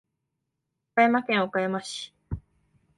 岡山県岡山市